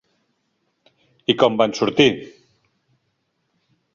I com van sortir?